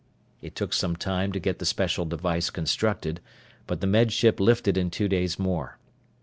It took some time to get the special device constructed, but the Med Ship lifted in two days more.